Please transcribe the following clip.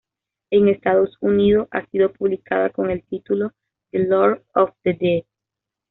En Estados Unidos ha sido publicada con el título "The lord of the dead.